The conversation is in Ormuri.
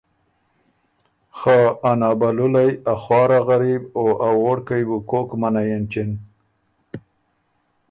خه ا نابَلُولئ، ا خوار ا غریب او ا ووړکئ بُو کوک منعئ اېنچِن۔